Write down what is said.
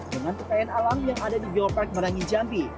dengan kekayaan alam yang ada di geopark merangin jambi